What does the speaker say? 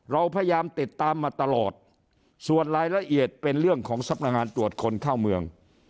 เราพยายามติดตามมาตลอดส่วนรายละเอียดเป็นเรื่องของสำนักงานตรวจคนเข้าเมือง